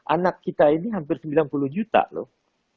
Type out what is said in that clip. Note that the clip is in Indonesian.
anak kita ini hampir sembilan puluh juta loh